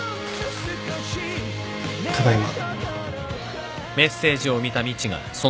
ただいま。